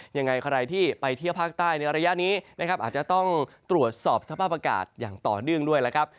ยังไงใครที่ไปเที่ยวภาคใต้ในระยะนี้นะครับอาจจะต้องตรวจสอบสภาพอากาศอย่างต่อเนื่องด้วยแล้วครับ